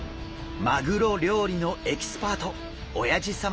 マグロ料理のエキスパートおやじ様こと